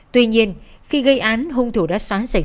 tuy nhiên khi gây án hung thủ đá xoán sảnh sạch